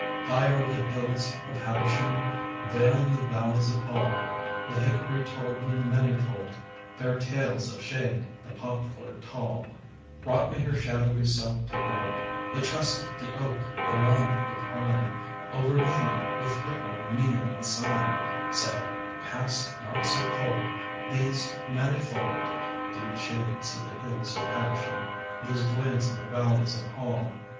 High o'er the hills of Habersham, Veiling the valleys of Hall, The hickory told me manifold Fair tales of shade; the poplar tall Wrought me her shadowy self to hold; The chestnut, the oak, the walnut, the pine, Overleaning, with flickering meaning and sign, Said: "Pass not so cold, these manifold Deep shades of the hills of Habersham, These glades in the valleys of Hall."